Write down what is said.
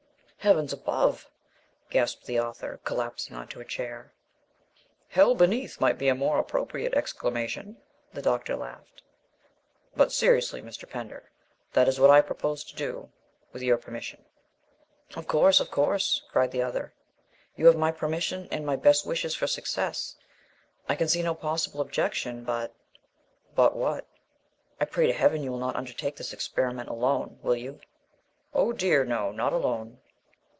"Heavens above!" gasped the author, collapsing on to a chair. "Hell beneath! might be a more appropriate exclamation," the doctor laughed. "But, seriously, Mr. Pender, that is what I propose to do with your permission." "Of course, of course," cried the other, "you have my permission and my best wishes for success. I can see no possible objection, but " "But what?" "I pray to Heaven you will not undertake this experiment alone, will you?" "Oh dear, no; not alone."